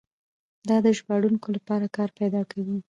دا د ژباړونکو لپاره کار پیدا کوي.